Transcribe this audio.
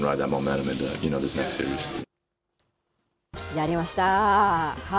やりました。